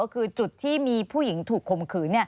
คือจุดที่มีผู้หญิงถูกข่มขืน